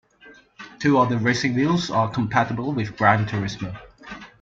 Two other racing wheels are compatible with Gran Turismo.